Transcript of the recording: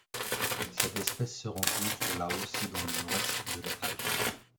Cette espèce se rencontre au Laos et dans le nord-est de la Thaïlande.